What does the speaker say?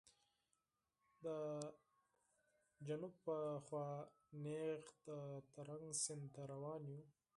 د جنوب په لور نېغ د ترنک سیند ته روان و.